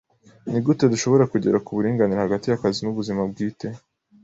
Nigute dushobora kugera ku buringanire hagati y'akazi n'ubuzima bwite?